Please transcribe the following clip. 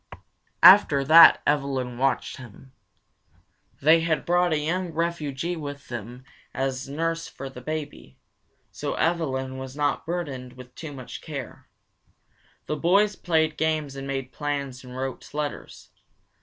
After that Evelyn watched him. They had brought a young refugee with them as nurse for the baby, so Evelyn was not burdened with too much care. The boys played games and made plans and wrote letters.